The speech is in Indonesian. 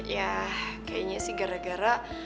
ya kayaknya sih gara gara